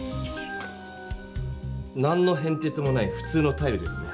何のへんてつもないふ通のタイルですね。